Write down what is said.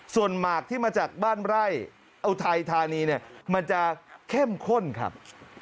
ส่วนหมักที่มาจากบ้านไล่เอาไทยทานีมันจะเข้มข้นครับ